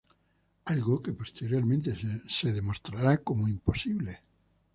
Algo que posteriormente se demostrará como imposible.